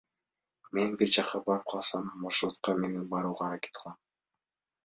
Мен бир жакка барып калсам, маршрутка менен барууга аракет кылам.